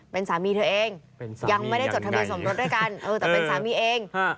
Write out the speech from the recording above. เป็นสามีเธอเองยังไม่ได้จดธรรมสมรถด้วยกันแต่เป็นสามีเอง